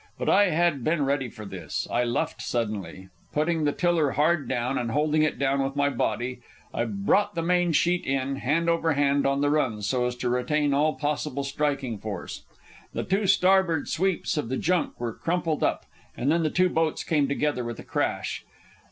But I had been ready for this. I luffed suddenly. Putting the tiller hard down, and holding it down with my body, I brought the main sheet in, hand over hand, on the run, so as to retain all possible striking force. The two starboard sweeps of the junk were crumpled up, and then the two boats came together with a crash.